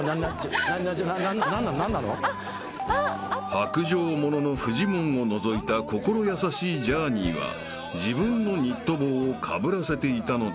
［薄情者のフジモンを除いた心優しいジャーニーは自分のニット帽をかぶらせていたのだ］